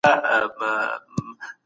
سالم ذهن پرمختګ نه دروي.